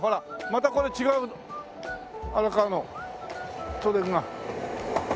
またこれ違う荒川の都電が。